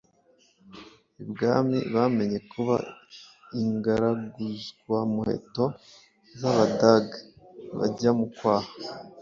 ibwami bemeye kuba ingaruzwamuheto z'Abadag bajya mu kwaha